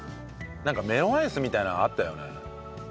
なんかメロンアイスみたいなのあったよね。